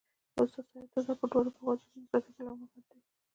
استاد سیاف دا ځل په دواړو پښو د ډیموکراسۍ په لومه کې بند دی.